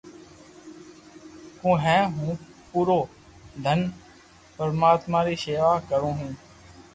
ڪو ھي ھون پورو دن پرماتم ري ݾيوا ڪرو ھ